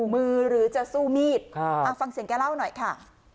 มือหรือจะสู้มีดฟังเสียงแกเล่าหน่อยค่ะ